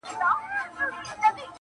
• تاوېدم لکه پېچک له ارغوانه -